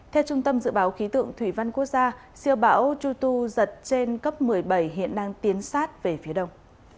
theo trung tâm dự báo khí tượng thủy văn quốc gia siêu bão chutu giật trên cấp một mươi bảy hiện đang tiến sát về phía đông